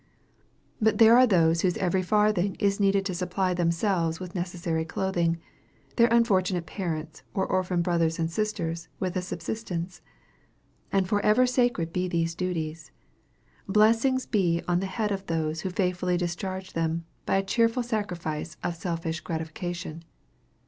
But there are those whose every farthing is needed to supply themselves with necessary clothing, their unfortunate parents, or orphan brothers and sisters with a subsistence. And forever sacred be these duties. Blessings be on the head of those who faithfully discharge them, by a cheerful sacrifice of selfish gratification.